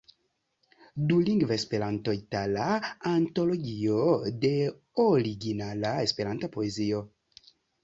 Dulingva Esperanto-itala antologio de originala Esperanta poezio.